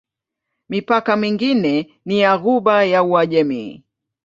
Mipaka mingine ni ya Ghuba ya Uajemi.